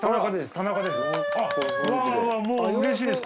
田中です。